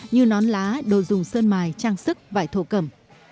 như nón lá đồ dùng sơn mài trang sức vải thổ cẩm